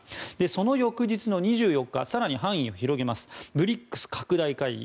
その翌日の２４日更に範囲を広げＢＲＩＣＳ拡大会議